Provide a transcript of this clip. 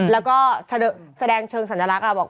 แล้วก็แสดงเชิงสัญลักษณ์บอก